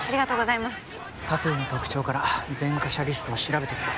タトゥーの特徴から前科者リストを調べてみよう。